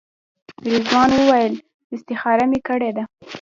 رضوان وویل استخاره مې کړې ده.